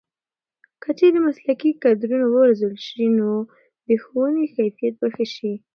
که چېرې مسلکي کدرونه وروزل شي نو د ښوونې کیفیت به ښه شي.